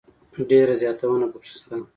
ډېر زياتونه پکښي سته.